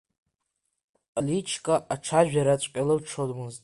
Личка ацәажәараҵәҟьа лылшомызт.